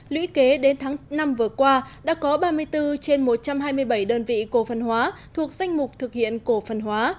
lũy kế đến tháng năm vừa qua đã có ba mươi bốn trên một trăm hai mươi bảy đơn vị cổ phần hóa thuộc danh mục thực hiện cổ phần hóa